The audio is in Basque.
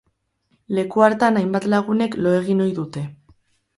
Leku hartan hainbat lagunek lo egin ohi dute.